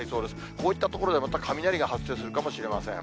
こういった所でまた雷が発生するかもしれません。